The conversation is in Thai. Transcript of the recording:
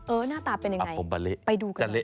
หน้าตาเป็นยังไงไปดูกันเลย